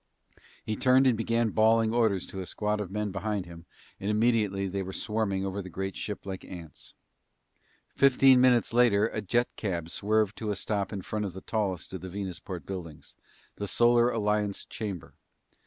He turned and began bawling orders to a squad of men behind him and immediately they were swarming over the great ship like ants. Fifteen minutes later, a jet cab swerved to a stop in front of the tallest of the Venusport buildings, the Solar Alliance Chamber.